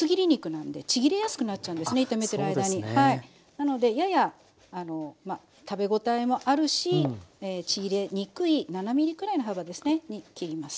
なのでやや食べごたえもあるしちぎれにくい７ｍｍくらいの幅ですねに切ります。